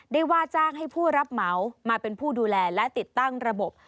ได้ว่าจ้างให้ผู้รับเหมามาเป็นผู้ดูแลและติดตั้งระบบ